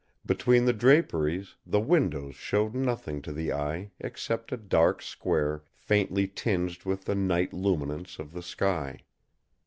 Between the draperies, the window showed nothing to the eye except a dark square faintly tinged with the night luminance of the sky.